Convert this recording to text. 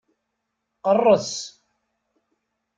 Qerres!